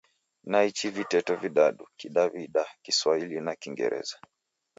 Naichi viteto vidadu: Kidaw'ida, Kiswahili na Kingereza.